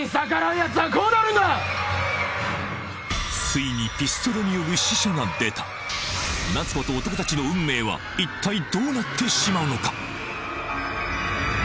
ついにピストルによる死者が出た夏子と男たちの運命はいったいどうなってしまうのか？